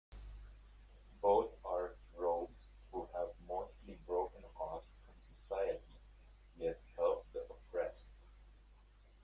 Both are rogues who have mostly broken off from society, yet help the oppressed.